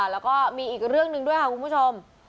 แล้วก็มีอีกเรื่องหนึ่งด้วยค่ะคุณผู้ชม